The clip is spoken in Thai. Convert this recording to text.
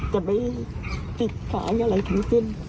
จะไม่ติดขาอย่างไรขึ้น